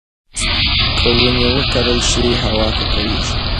که ونې ونه کرل شي، هوا ککړېږي.